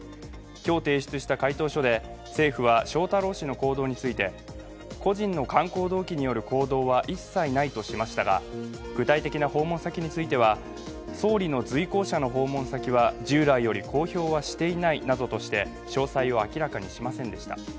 今日提出した回答書で政府は翔太郎氏の行動について個人の観光動機による行動は一切ないとしましたが具体的な訪問先については総理の随行者の訪問先は従来より公表はしていないなどとして詳細を明らかにしませんでした。